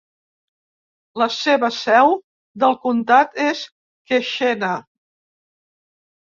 La seva seu del comtat és Keshena.